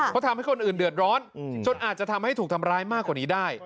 เพราะทำให้คนอื่นเดือดร้อนจนอาจจะทำให้ถูกทำร้ายมากกว่านี้ได้